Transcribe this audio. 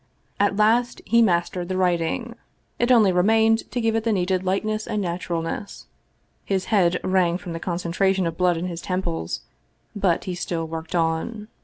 At last he mastered the writing. It only remained to give it the needed lightness and naturalness. His head rang from the concentration of blood in his temples, but he still worked on.